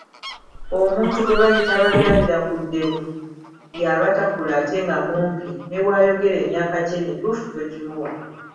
Omuntu gwe bayita Balirabirakuddevu yaba takula ate nga mumpi, ne bwayogera emyaka gye emituufu togimuwa.